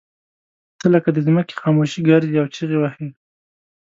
ته لکه د ځمکې خاموشي ګرځې او چغې وهې.